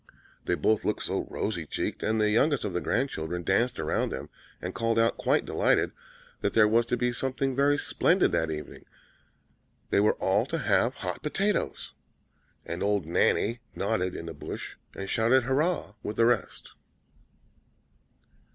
They both looked so rosy cheeked; and the youngest of the grandchildren danced around them, and called out quite delighted, that there was to be something very splendid that evening they were all to have hot potatoes. And old Nanny nodded in the bush, and shouted 'hurrah!' with the rest."